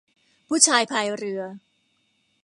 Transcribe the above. ผู้ชายพายเรือ